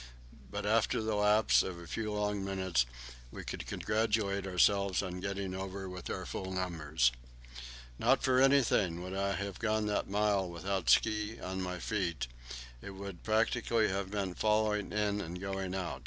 But after the lapse of a few long minutes we could congratulate ourselves on getting over with our full numbers. Not for anything would I have gone that mile without ski on my feet; it would practically have meant falling in and going out.